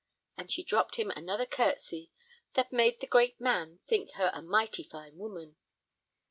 And she dropped him another curtesy that made the great man think her a mighty fine woman.